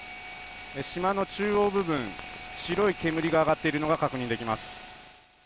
島の中央部分白い煙が上がっているのが確認できます。